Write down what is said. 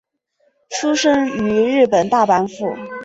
出身于日本大阪府。